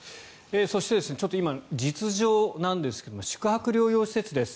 そしてちょっと今、実情なんですが宿泊療養施設です。